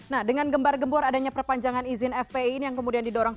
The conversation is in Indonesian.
nah dengan gembar gembor adanya perpanjangan izin fpi ini yang kemudian didorong